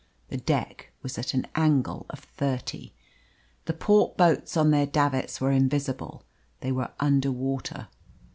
The deck was at an angle of thirty. The port boats on their davits were invisible; they were under water.